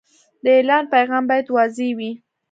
د اعلان پیغام باید واضح وي.